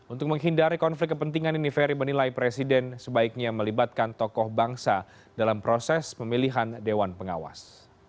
untuk menghindari konflik kepentingan ini ferry menilai presiden sebaiknya melibatkan tokoh bangsa dalam proses pemilihan dewan pengawas